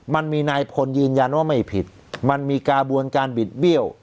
มันมีนายพลยืนยันว่าไม่ผิดมันมีกระบวนการบิดเบี้ยว